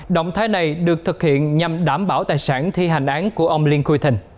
động thái này được thực hiện nhằm đảm bảo tài sản thi hành án của ông liên khuy thình